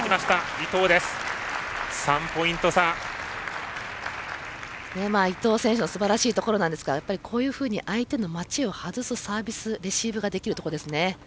伊藤選手のすばらしいところなんですがこういうふうに相手の待ちを外すサービスレシーブができるところですね。